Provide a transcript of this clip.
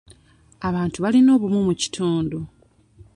Abantu balina obumu mu kitundu.